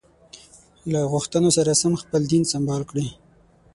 له غوښتنو سره سم خپل دین سمبال کړي.